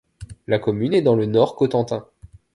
La commune est dans le Nord-Cotentin.